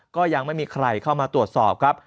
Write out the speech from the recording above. ก็ยังไม่มีใครเข้ามาตรวจสอบครับ